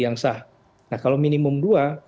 yang sah nah kalau minimum dua